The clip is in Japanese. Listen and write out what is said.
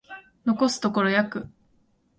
残すところ約